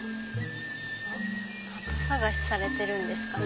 鳩探しされてるんですかね